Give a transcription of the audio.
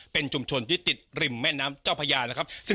เป็นชุมชนที่ติดริมแม่น้ำเจ้าพระยา